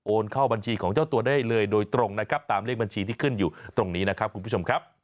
เข้าบัญชีของเจ้าตัวได้เลยโดยตรงนะครับตามเลขบัญชีที่ขึ้นอยู่ตรงนี้นะครับคุณผู้ชมครับ